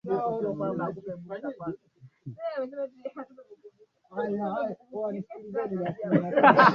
Mauaji ya familia nyingi zenye asili ya Kiarabu yakafuata